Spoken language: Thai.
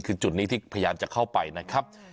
คือจุดนี้ที่พยายามจะเข้าไปนะครับ